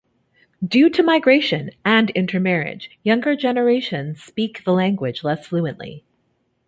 Due to migration and intermarriage, younger generations speak the language less fluently.